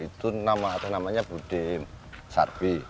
itu nama atau namanya budi sarbi